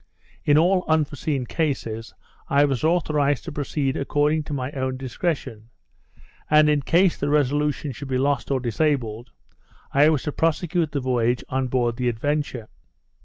In all unforeseen cases, I was authorised to proceed according to my own discretion; and in case the Resolution should be lost or disabled, I was to prosecute the voyage on board the Adventure.